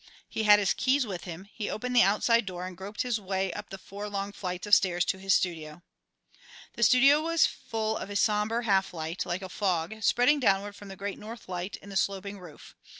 He had his keys with him, he opened the outside door and groped his way up the four long flights of stairs to his studio. The studio was full of a sombre half light, like a fog, spreading downward from the great north light in the sloping roof.